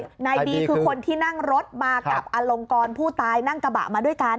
นายบีคือคนที่นั่งรถมากับอลงกรผู้ตายนั่งกระบะมาด้วยกัน